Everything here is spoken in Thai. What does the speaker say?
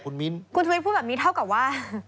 คุณธุรกิจพูดแบบนี้เท่ากับว่า